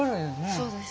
そうです。